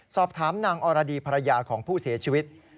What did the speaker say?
สอบถามนางอรดีภรรยาของผู้เสียชีวิต